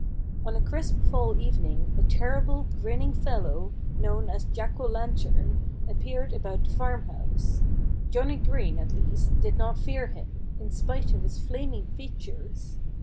On a crisp fall evening a terrible, grinning fellow known as Jack O'Lantern appeared about the farmhouse. Johnnie Green, at least, did not fear him, in spite of his flaming features.